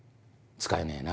使えねぇな。